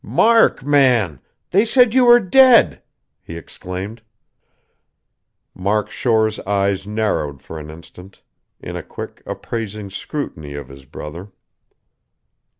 "Mark, man! They said you were dead," he exclaimed. Mark Shore's eyes narrowed for an instant, in a quick, appraising scrutiny of his brother.